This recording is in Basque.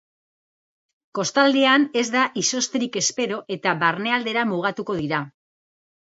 Kostaldean ez da izozterik espero eta barnealdera mugatuko dira.